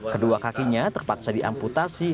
kedua kakinya terpaksa diamputasi